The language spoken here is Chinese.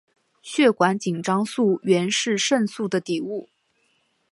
血管紧张素原是肾素的底物。